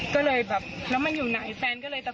แต่เราแบบมองขึ้นหลังคาแต่นามองข้างน่าว